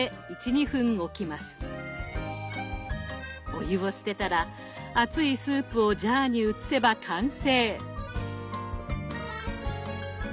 お湯を捨てたら熱いスープをジャーに移せば完成。